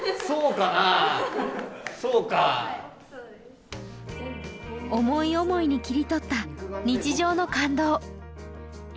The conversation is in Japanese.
そうかはいそうです思い思いに切り取った日常の感動